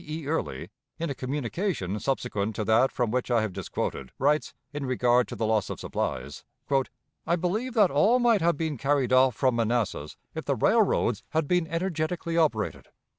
A. Early in a communication subsequent to that from which I have just quoted, writes, in regard to the loss of supplies: "I believe that all might have been carried off from Manassas if the railroads had been energetically operated.